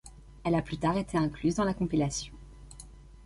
Elle a plus tard été incluse dans la compilation '.